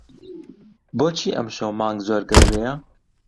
بۆچی ئەمشەو مانگ زۆر گەورەیە؟